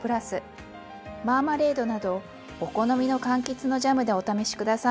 マーマレードなどお好みのかんきつのジャムでお試し下さいね。